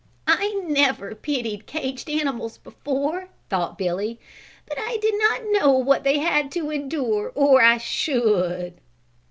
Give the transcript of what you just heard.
"I never pitied caged animals before," thought Billy, "but I did not know what they had to endure or I should."